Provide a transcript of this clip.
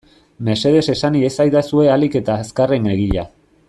Mesedez esan iezadazue ahalik eta azkarren egia.